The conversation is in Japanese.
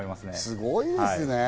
すごいですね。